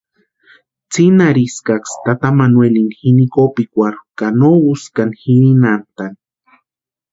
Tsinhariskaksï tata manuelini jini kopikwarhu ka nosï úska jirinantʼani.